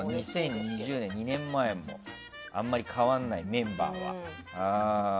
２０２０年、２年前もあまり変わらない、メンバ−は。